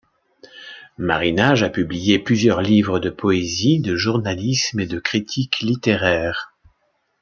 Marinaj a publié plusieurs livres de poésie, de journalisme et de critique littéraire.